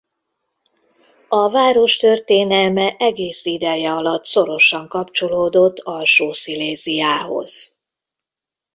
A város történelme egész ideje alatt szorosan kapcsolódott Alsó-Sziléziához.